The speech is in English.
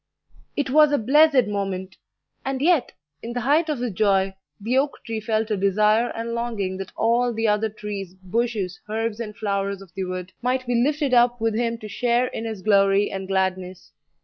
It was a blessed moment! and yet, in the height of his joy, the oak tree felt a desire and longing that all the other trees, bushes, herbs, and flowers of the wood might be lifted up with him to share in his glory and gladness.